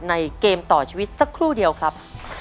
เกมต่อชีวิตสักครู่เดียวครับ